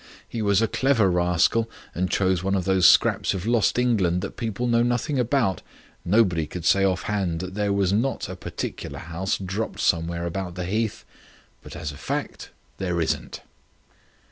He was a clever rascal, and chose one of those scraps of lost England that people know nothing about. Nobody could say off hand that there was not a particular house dropped somewhere about the heath. But as a fact, there isn't."